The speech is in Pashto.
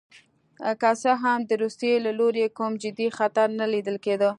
که څه هم د روسیې له لوري کوم جدي خطر نه لیدل کېده.